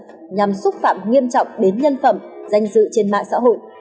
nhằm xúc phạm nghiêm trọng đến nhân phẩm danh dự của người khác